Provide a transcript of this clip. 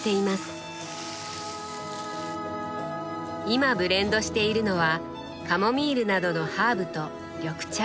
今ブレンドしているのはカモミールなどのハーブと緑茶。